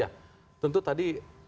ya tentu tadi